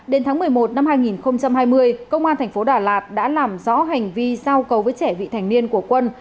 đến tháng một mươi một năm hai nghìn hai mươi công an thành phố đà lạt đã làm rõ hành vi giao cầu với trẻ vị thành niên của quân